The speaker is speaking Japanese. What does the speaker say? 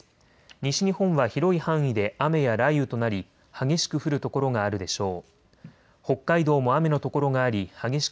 西日本は広い範囲で雨や雷雨となり激しく降る所があるでしょう。